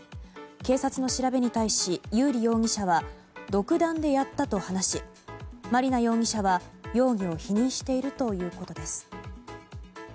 警察の調べに対し佑利容疑者は独断でやったと話し麻里奈容疑者は、容疑を否認しているということです。